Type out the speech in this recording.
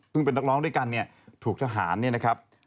เป็นนักร้องด้วยกันเนี่ยถูกทหารเนี่ยนะครับ